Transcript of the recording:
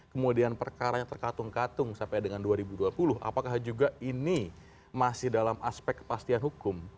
kemudian perkaranya terkatung katung sampai dengan dua ribu dua puluh apakah juga ini masih dalam aspek kepastian hukum